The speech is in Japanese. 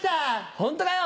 ホントかよ？